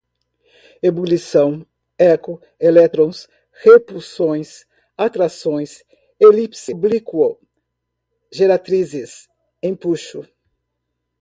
ebulição, eco, elétrons, repulsões, atrações, elipse, oblíquo, geratrizes, empuxo